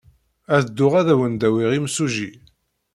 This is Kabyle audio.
Ad dduɣ ad awen-d-awiɣ imsujji.